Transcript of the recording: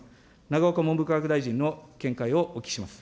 永岡文部科学大臣の見解をお聞きします。